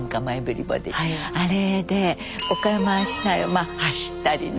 あれで岡山市内をまあ走ったりね